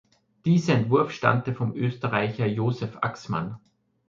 Dieser Entwurf stammte vom Österreicher Josef Axmann.